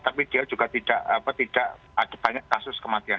tapi dia juga tidak ada banyak kasus kematian